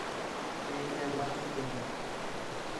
مئے چرغاٹیں کیام